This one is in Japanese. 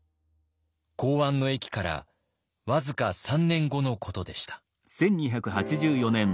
弘安の役から僅か３年後のことでした。